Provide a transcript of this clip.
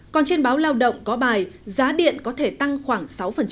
còn trên báo lao động có bài giá điện có thể tăng khoảng sáu